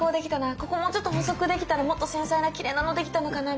ここもうちょっと細くできたらもっと繊細なきれいなのできたのかなみたいな。